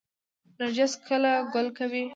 نرجس کله ګل کوي؟